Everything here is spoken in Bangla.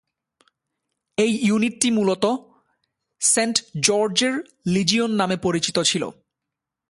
এই ইউনিটটি মূলত সেন্ট জর্জের লিজিওন নামে পরিচিত ছিল।